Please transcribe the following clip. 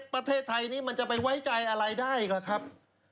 ประเทศไทยนี้มันจะไปไว้ใจอะไรได้อีกล่ะครับ